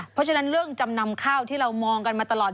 เพราะฉะนั้นเรื่องจำนำข้าวที่เรามองกันมาตลอด